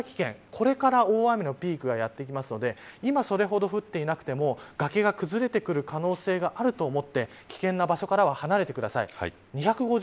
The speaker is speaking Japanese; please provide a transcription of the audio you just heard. これから大雨のピークがやってきますので今それほど降っていなくても崖が崩れてくる可能性があると思って危険な場所からは離れてください。